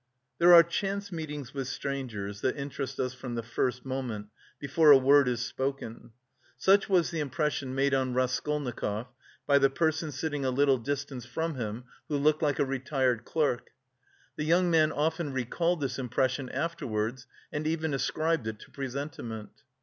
There are chance meetings with strangers that interest us from the first moment, before a word is spoken. Such was the impression made on Raskolnikov by the person sitting a little distance from him, who looked like a retired clerk. The young man often recalled this impression afterwards, and even ascribed it to presentiment.